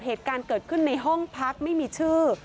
เหตุการณ์เกิดขึ้นในห้องพักไม่มีชื่อ